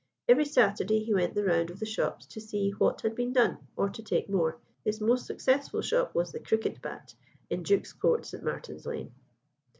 Every Saturday he went the round of the shops to see what had been done, or to take more. His most successful shop was "The Cricket Bat," in Duke's Court, St. Martin's Lane.